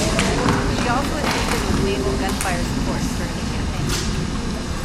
She also assisted with naval gunfire support during the campaign.